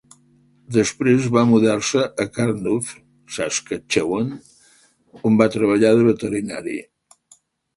Després va mudar-se a Carnduff, Saskatchewan, on va treballar de veterinari.